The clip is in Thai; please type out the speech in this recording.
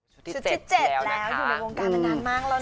ชุดที่๗แล้วนะคะอยู่ในวงการนานมากแล้วนะ